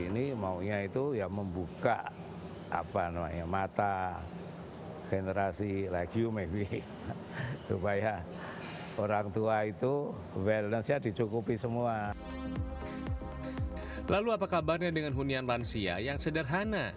lalu apa kabarnya dengan hunian lansia yang sederhana